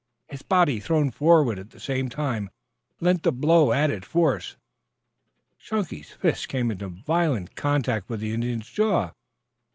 His body, thrown forward at the same time, lent the blow added force. Chunky's fist came into violent contact with the Indian's jaw. Mr.